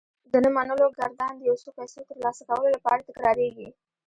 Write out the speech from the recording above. د نه منلو ګردان د يو څو پيسو ترلاسه کولو لپاره تکرارېږي.